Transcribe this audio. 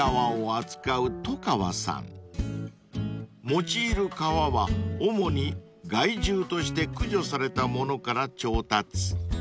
［用いる革は主に害獣として駆除されたものから調達］